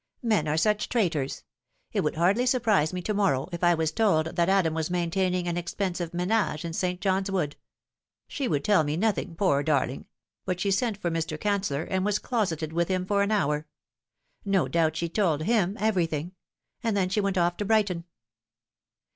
" Men are such traitors. It would hardly surprise me to morrow if I was told that Adam was maintaining an expensive menage in St. John's Wood. She would tell me nothing, poor darling ; but she sent for Mr. Canceller, and was closeted with him for an hour. No doubt she told him everything. And then she went off to Brighton."